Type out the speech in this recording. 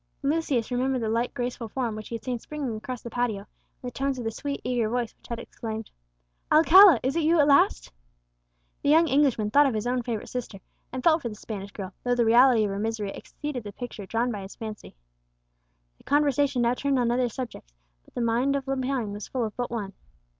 Lucius remembered the light graceful form which he had seen springing across the patio, and the tones of the sweet eager voice which had exclaimed, "Alcala, is it you at last?" The young Englishman thought of his own favourite sister, and felt for the Spanish girl, though the reality of her misery exceeded the picture drawn by his fancy. The conversation now turned on other subjects, but the mind of Lepine was full of but one.